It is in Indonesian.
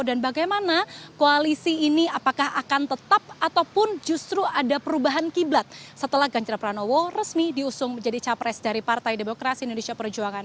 dan bagaimana koalisi ini apakah akan tetap ataupun justru ada perubahan kiblat setelah ganjar pranowo resmi diusung menjadi capres dari partai demokrasi indonesia perjuangan